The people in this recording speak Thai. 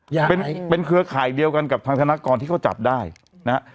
ยังเป็นเป็นเครือข่ายเดียวกันกับทางธนกรที่เขาจับได้นะฮะ